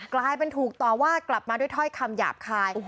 กลายเป็นถูกต่อว่ากลับมาด้วยถ้อยคำหยาบคาย